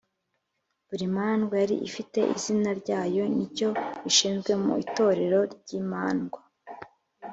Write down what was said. Buri mandwa yari ifite izina ryayo n’icyo ishinzwe mu itorero ry’imandwa.